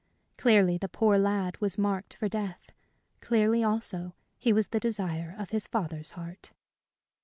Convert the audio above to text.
Clearly the poor lad was marked for death; clearly, also, he was the desire of his father's heart.